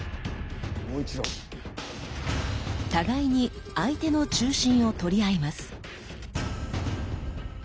互いに相手の中心をとり合います。